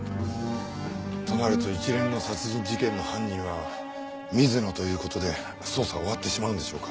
となると一連の殺人事件の犯人は水野という事で捜査は終わってしまうんでしょうか？